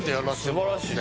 素晴らしい。